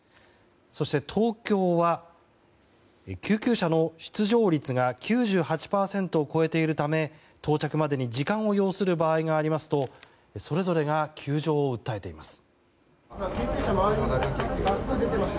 そして東京は、救急車の出動率が９８％を超えているため到着までに時間を要する場合がありますとそれぞれが窮状を訴えています。